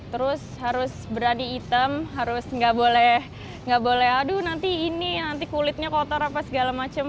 terus harus berani hitam harus nggak boleh aduh nanti ini nanti kulitnya kotor apa segala macem